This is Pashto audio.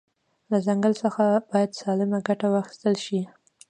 له ځنګل ځخه باید سالمه ګټه واخیستل شي